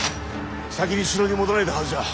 先に城に戻られたはずじゃ。